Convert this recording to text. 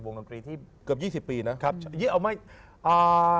วงดินตรีที่เคยเกือบ๒๐ปีนะ